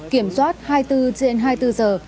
kiểm soát hai mươi bốn trên hai mươi bốn giờ